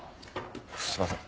すいません。